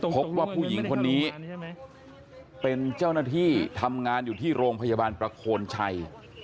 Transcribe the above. พบว่าผู้หญิงคนนี้เป็นเจ้าหน้าที่ทำงานอยู่ที่โรงพยาบาลประโคนชัย